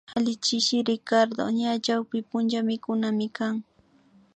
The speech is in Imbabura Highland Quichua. Alli chishi Ricardo ña chawpunchamikunamikan